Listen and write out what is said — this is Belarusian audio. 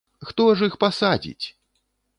Хто ж іх пасадзіць?!